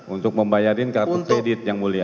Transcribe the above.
untuk membayarin kartu kredit yang mulia